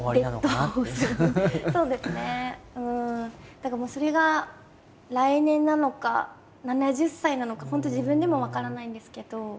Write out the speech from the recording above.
だからもうそれが来年なのか７０歳なのか本当自分でも分からないんですけど。